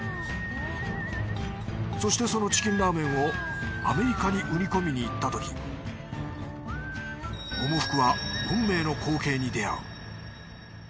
そしてそのチキンラーメンをアメリカに売り込みに行ったとき百福は運命の光景に出会う。